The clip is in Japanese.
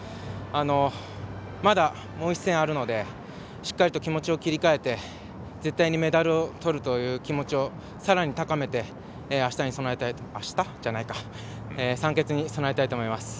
まだもう１戦あるのでしっかりと気持ちを切り替えて絶対にメダルをとるという気持ちをさらに高めて３決に備えたいと思います。